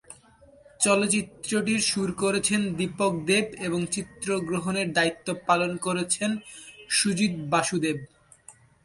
চলচ্চিত্রটির সুর করেছেন দীপক দেব এবং চিত্রগ্রহণের দায়িত্ব পালন করেছেন সুজিত বাসুদেব।